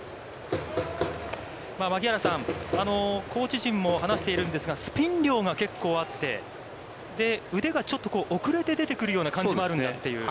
槙原さん、コーチ陣も話しているんですが、スピン量が結構あって、腕がちょっとおくれて出てくるような感じもあるんだという。